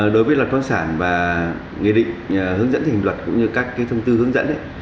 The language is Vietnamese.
đối với luật quân sản và nghề định hướng dẫn hình luật cũng như các thông tư hướng dẫn